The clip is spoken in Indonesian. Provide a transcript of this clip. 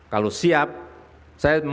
kalau siap saya menyiapkan